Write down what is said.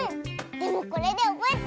でもこれでおぼえた。